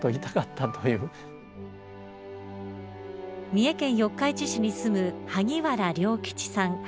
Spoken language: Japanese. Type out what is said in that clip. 三重県四日市市に住む萩原量吉さん